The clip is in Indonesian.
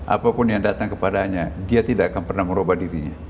apapun yang datang kepadanya dia tidak akan pernah merubah dirinya